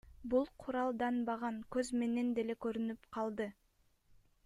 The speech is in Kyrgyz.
Бул куралданбаган көз менен деле көрүнүп калды.